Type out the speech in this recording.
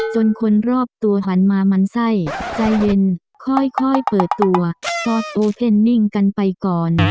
คนรอบตัวหันมามันไส้ใจเย็นค่อยเปิดตัวกอดโอเพ่นนิ่งกันไปก่อน